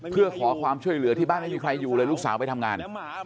เพื่อขอความช่วยเหลือที่บ้านไม่มีใครอยู่เลยลูกสาวไปทำงาน